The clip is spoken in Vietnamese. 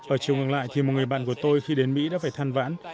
ở chiều ngược lại thì một người bạn của tôi khi đến mỹ đã phải than vãn